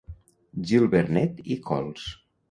Gil-Vernet i cols.